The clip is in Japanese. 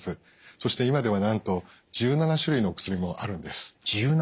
そして今ではなんと１７種類のお薬もあるんです。